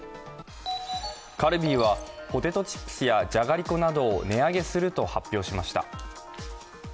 カルビーはポテトチップスやじゃがりこなどを値上げすると発表しました。